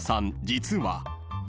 実は］